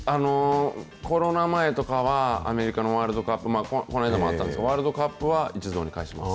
コロナ前とかは、アメリカのワールドカップ、この間もあったんですけど、ワールドカップは一堂に会します。